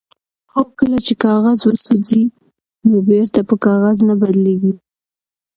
هو کله چې کاغذ وسوځي نو بیرته په کاغذ نه بدلیږي